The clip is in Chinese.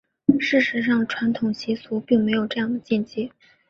事实上传统习俗并没有这样的禁忌。